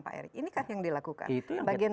pak erick ini kan yang dilakukan bagian